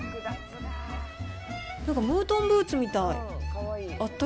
なんかムートンブーツみたい。